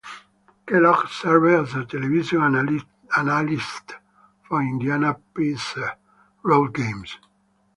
Kellogg served as a television analyst for Indiana Pacers road games.